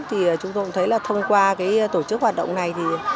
thì chúng tôi cũng thấy là thông qua tổ chức hoạt động này